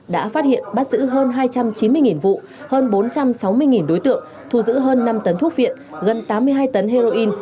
đã phát hiện bắt giữ hơn hai trăm chín mươi vụ hơn bốn trăm sáu mươi đối tượng thu giữ hơn năm tấn thuốc viện gần tám mươi hai tấn heroin